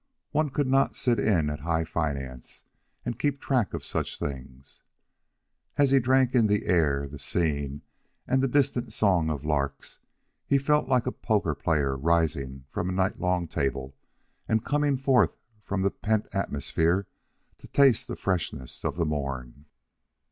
One could not sit in at high finance and keep track of such things. As he drank in the air, the scene, and the distant song of larks, he felt like a poker player rising from a night long table and coming forth from the pent atmosphere to taste the freshness of the morn.